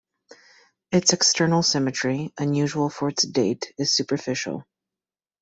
Its external symmetry, unusual for its date, is superficial.